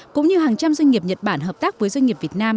cũng như hàng trăm doanh nghiệp nhật bản hợp tác với doanh nghiệp việt nam